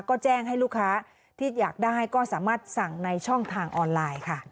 ก็แจ้งให้ลูกค้าที่อยากได้ก็สามารถสั่งในช่องทางออนไลน์ค่ะ